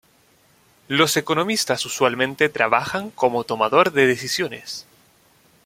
Los economistas usualmente trabajan como tomador de decisiones.